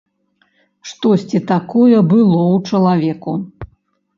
Штосьці такое было ў чалавеку.